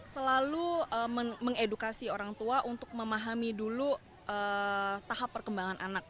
selalu mengedukasi orang tua untuk memahami dulu tahap perkembangan anak